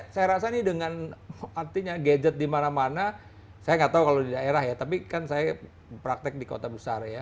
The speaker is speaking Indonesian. saya rasa ini dengan artinya gadget di mana mana saya nggak tahu kalau di daerah ya tapi kan saya praktek di kota besar ya